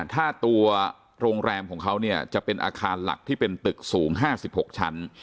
ถ้าตัวโรงแรมของเขาเนี่ยจะเป็นอาคารหลักที่เป็นตึกสูง๕๖ชั้น